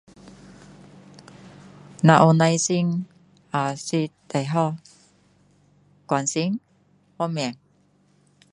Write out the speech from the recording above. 如果有耐心呃是最好关心方面